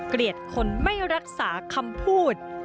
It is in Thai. เกลียดคนไม่รักษาคำพูด